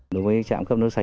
đối với trạm cấp nước sạch